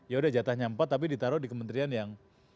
yaudah jatahnya empat tapi ditaruh di kementerian yang